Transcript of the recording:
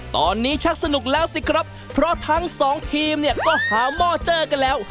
ตอนนี้ชักสนุกแล้วสิครับเพราะทั้งสองทีมเนี่ยก็หาหม้อเจอกันแล้ว